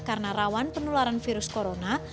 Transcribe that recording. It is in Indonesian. karena rawan penularan virus corona